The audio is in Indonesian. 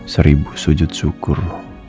seribu sujud syukur